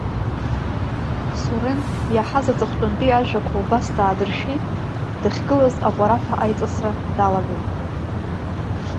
Сурен иаҳаз аҵыхәтәантәи ажәақәа убас даадыршәеит, дахьгылаз аҟәараҳәа аиҵасра далагеит.